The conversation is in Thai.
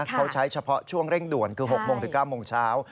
เขาใช้เฉพาะช่วงเร่งด่วนคือ๖โมงถึง๙โมงเช้า